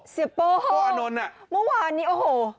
โป้โป้อานนท์อ่ะเมื่อวานนี้โอ้โห